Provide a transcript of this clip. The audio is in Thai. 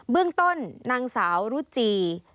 เรื่องต้นนางสาวรุจี